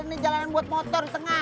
ini jalanan buat motor di tengah